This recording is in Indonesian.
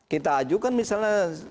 kita ajukan misalnya